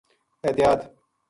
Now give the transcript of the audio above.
احتیاط